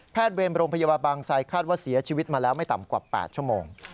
เวรโรงพยาบาลบางไซดคาดว่าเสียชีวิตมาแล้วไม่ต่ำกว่า๘ชั่วโมง